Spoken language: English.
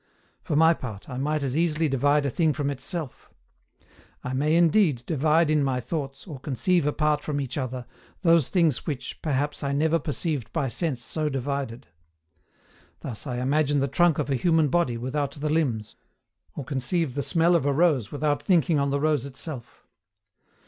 For my part, I might as easily divide a thing from itself. I may, indeed, divide in my thoughts, or conceive apart from each other, those things which, perhaps I never perceived by sense so divided. Thus, I imagine the trunk of a human body without the limbs, or conceive the smell of a rose without thinking on the rose itself.